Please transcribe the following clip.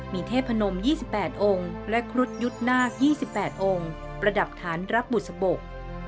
มีเทพนม๒๘องค์และครุฑยุทธ์นาค๒๘องค์ประดับฐานรับบุษบก